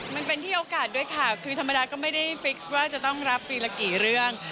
มันเป็นที่โอกาสด้วยค่ะคือธรรมดาก็ไม่ได้ฟิกซ์ว่าจะต้องรับปีละกี่เรื่อง